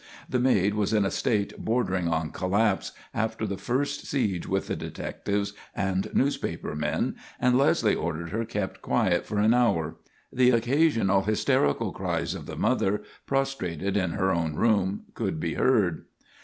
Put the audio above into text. The maid was in a state bordering on collapse after the first siege with the detectives and newspaper men, and Leslie ordered her kept quiet for an hour. The occasional hysterical cries of the mother, prostrated in her own room, could be heard.